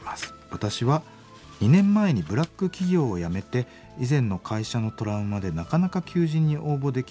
「私は２年前にブラック企業を辞めて以前の会社のトラウマでなかなか求人に応募できずにいます。